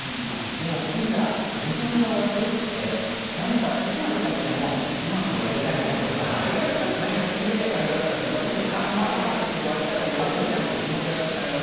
でもいざ自分が割る時って何かいつまでたってもうまく割りたいなとか何かきれいに一発でカンパカンって割れたらうれしいなみたいな気持ちあるじゃないですか。